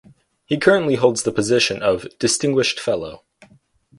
He currently holds the position of distinguished fellow.